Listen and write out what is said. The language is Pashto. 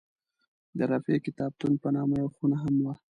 د رفیع کتابتون په نامه یوه خونه هم وه.